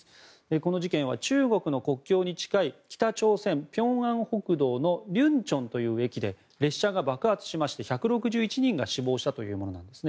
この事件は中国の国境に近い北朝鮮・平安北道の竜川という駅で列車が爆発しまして１６１人が死亡したというものなんですね。